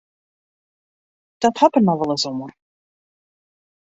Dat hat der noch wolris oan.